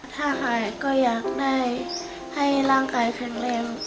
ถ้าหายก็อยากให้ร่างกายกันเร็ว